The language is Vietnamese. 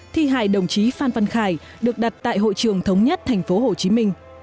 thi hại đồng chí phan văn khải được đặt tại hội trường thống nhất tp hcm